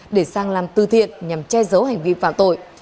để sang làm tư thiện nhằm che giấu hành vi phạm tội